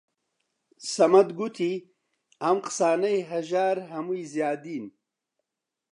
سەمەد گوتی: ئەم قسانەی هەژار هەمووی زیادین